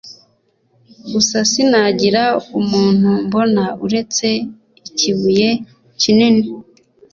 gusa sinagira umuntu mbona uretse ikibuye kinini